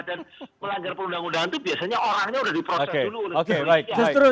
dan melanggar perundang undangan itu biasanya orangnya sudah diproses dulu